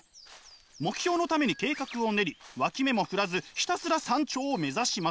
目標のために計画を練り脇目も振らずひたすら山頂を目指します。